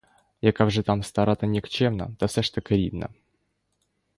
Яка вже там стара та нікчемна, та все ж таки рідна.